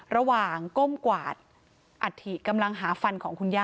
ระหว่างก้มกวาดอาทิตย์กำลังหาฟันของคุณย่า